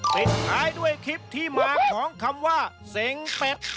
ปิดท้ายด้วยคลิปที่มาของคำว่าเสงเป็ด